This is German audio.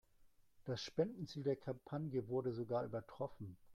Das Spendenziel der Kampagne wurde sogar übertroffen.